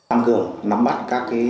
tăng cường nắm bắt các cái